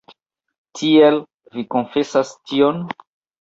Tiel, vi konfesas tion?